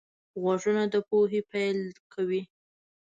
غوږونه د پوهې پیل کوي